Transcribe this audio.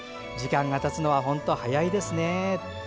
時間がたつのは本当早いですね。